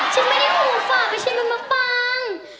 ฉันไม่ได้หูฝากแต่ฉันเป็นมะปัง